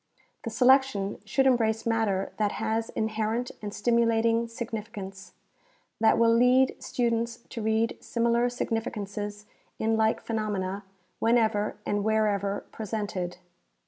The selection should embrace matter that has inherent and stimulating significance, that will lead students to read similar significances in like phenomena whenever and wherever pre sented.